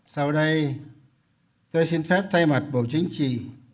sau đây tôi xin phép thay mặt bộ chính trị